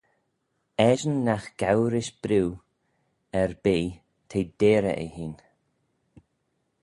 Eshyn nagh gow rish briw erbee t'eh deyrey eh hene